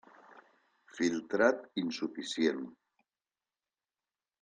Filtrat insuficient.